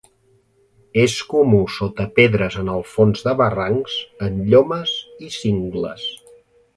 És comú sota pedres en el fons de barrancs, en llomes i cingles.